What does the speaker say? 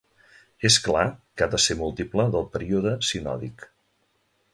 És clar que ha de ser múltiple del període sinòdic.